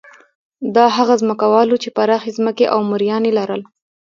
دا هغه ځمکوال وو چې پراخې ځمکې او مریان یې لرل.